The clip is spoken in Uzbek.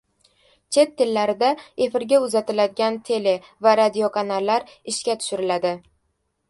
Chet tillarida efirga uzatiladigan tele va radiokanallar ishga tushiriladi